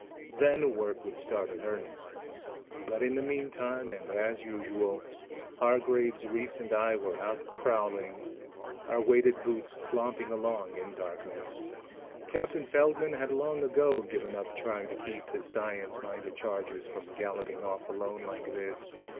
Then work would start in earnest. But in the meantime and as usual Hargraves, Reiss and I were out prowling, our weighted boots clomping along in darkness. Captain Feldman had long ago given up trying to keep his science minded charges from galloping off alone like this.